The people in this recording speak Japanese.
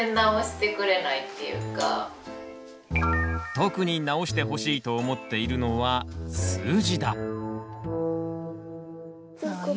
特に直してほしいと思っているのは数字だ。